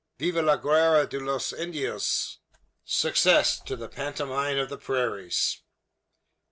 Viva la guerra de los Indios! Success to the pantomime of the prairies!"